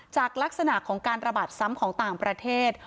จากลักษณะของการระบาดซ้ำของต่างประเทศ